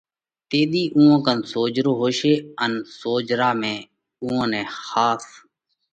تيۮِي اُوئون ڪنَ سوجھرو هوشي ان سوجھرا ۾ اُوئون نئہ ۿاس